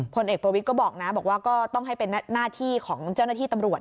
พลเอกประวิทย์ก็บอกนะบอกว่าก็ต้องให้เป็นหน้าที่ของเจ้าหน้าที่ตำรวจ